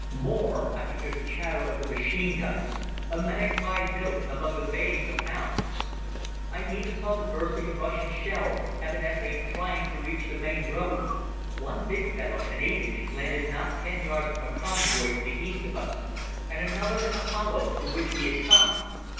More, I could hear the chatter of the machine guns, a magpie note among the baying of hounds. I even saw the bursting of Russian shells, evidently trying to reach the main road. One big fellow—an eight inch—landed not ten yards from a convoy to the east of us, and another in the hollow through which we had come.